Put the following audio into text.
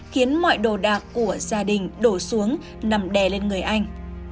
khiến mọi đồ đạc của gia đình đổ xuống nằm đè lên người anh